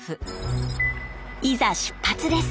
いざ出発です。